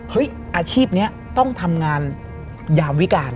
อาชีพนี้ต้องทำงานยามวิการ